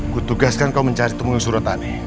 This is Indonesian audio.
kutugaskan kau mencari tunggung suratane